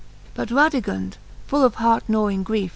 But Radigund full of heart gnawing griefe.